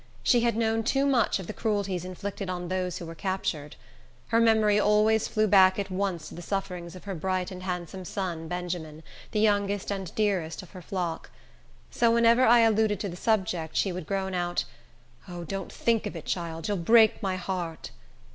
She had known too much of the cruelties inflicted on those who were captured. Her memory always flew back at once to the sufferings of her bright and handsome son, Benjamin, the youngest and dearest of her flock. So, whenever I alluded to the subject, she would groan out, "O, don't think of it, child. You'll break my heart."